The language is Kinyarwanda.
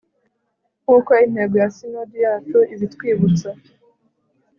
nk'uko intego ya sinodi yacu ibitwibutsa